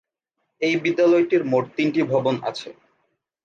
এই বিদ্যালয়টির মোট তিনটি ভবন আছে।